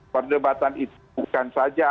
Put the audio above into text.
perdebatan itu bukan saja